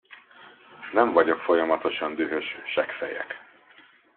Nem vagyok folyamatosan dühös, seggfejek.